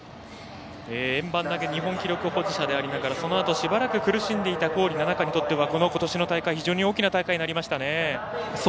円盤投げ日本記録保持者でありながらそのあと、しばらく苦しんでいた郡菜々佳にとってはことしの大会非常に大きな大会になりましたね。